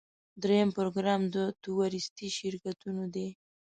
دریم پروګرام د تورېستي شرکتونو دی.